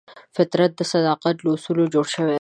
فطرت د صداقت له اصولو جوړ شوی دی.